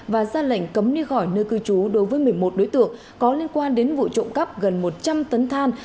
và ra lệnh cấm đi khỏi nơi cư trú đối với một mươi một đối tượng có liên quan đến vụ trộm cắp gần một trăm linh tấn than